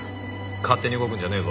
勝手に動くんじゃねえぞ。